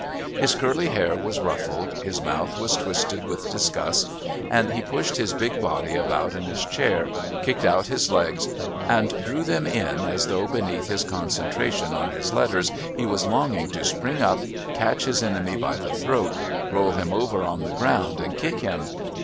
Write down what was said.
His curly hair was ruffled, his mouth was twisted with disgust, and he pushed his big body about in his chair, kicked out his legs and drew them in as though beneath his concentration on his letters he was longing to spring up, catch his enemy by the throat, roll him over on to the ground and kick him.